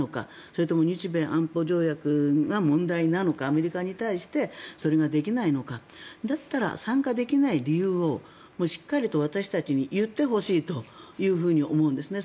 それとも日米安保条約が問題なのかアメリカに対してそれができないのかだったら、参加できない理由をしっかりと私たちに言ってほしいと思うんですね。